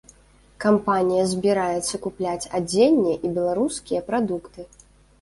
Кампанія збіраецца купляць адзенне і беларускія прадукты.